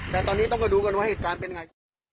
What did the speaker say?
แต่ตอนนี้ต้องไปดูกันว่าเหตุการณ์เป็นไง